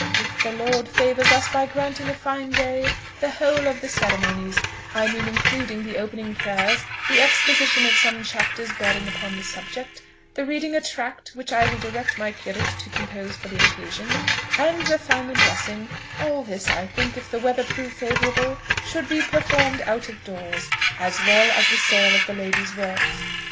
If the Lord favours us by granting a fine day, the whole of the ceremonies, I mean, including the opening prayers, the exposition of some chapters bearing upon the subject, the reading a tract which I will direct my curate to compose for the occasion, and the final blessing: all this, I think, if the weather prove favourable, should be performed out of doors, as well as the sale of the ladies' works.